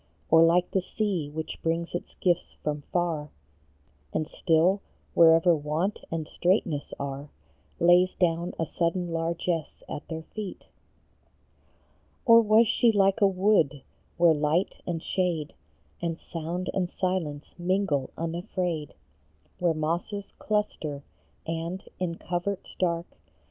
Or like the sea, which brings its gifts from far, And still, wherever want and straitness are, Lays down a sudden largess at their feet ? Or was she like a wood, where light and shade, And sound and silence, mingle unafraid ; Where mosses cluster, and, in coverts dark, 52 H. H.